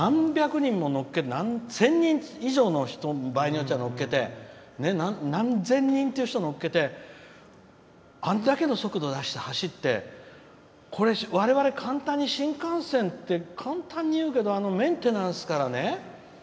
何百人、千人以上の人を場合によっちゃ乗っけて何千人っていう人乗っけて、あんだけの速度出して走ってわれわれ、簡単に新幹線って簡単にいうけどメンテナンスからね